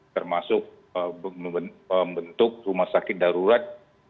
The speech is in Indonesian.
termasuk membentuk rumah sakit darurat